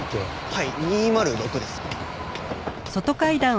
はい２０６です。